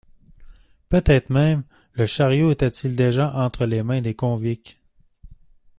Peut-être même le chariot était-il déjà entre les mains des convicts!